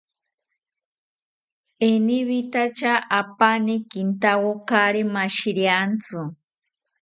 Eniwitacha apani kintawo kaari mashiriantzi